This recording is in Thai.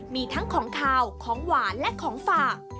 มีทั้งของขาวของหวานและของฝาก